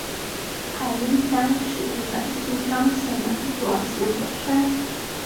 爱鹰山是日本静冈县的一座死火山。